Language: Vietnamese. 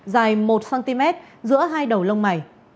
dài một cm giữa hai đầu lông mảy